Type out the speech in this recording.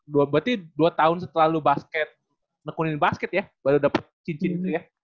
berarti dua tahun setelah basket nekunin basket ya baru dapat cincin itu ya